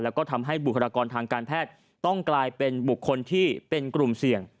แล้วก็ทำให้บุคลากรทางการแพทย์ต้องกลายเป็นบุคคลที่เป็นกลุ่มเสี่ยง